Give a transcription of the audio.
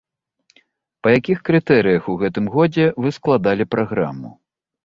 Па якіх крытэрыях у гэтым годзе вы складалі праграму?